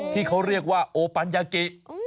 ที่เขาเรียกว่าโอปัญญากิ